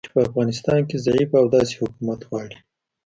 چې په افغانستان کې ضعیفه او داسې حکومت غواړي